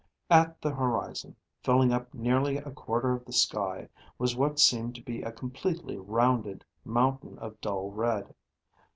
At the horizon, filling up nearly a quarter of the sky, was what seemed to be a completely rounded mountain of dull red.